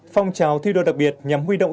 phong trào thi đua đặc biệt nhằm huy động